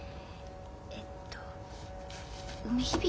えっと梅響。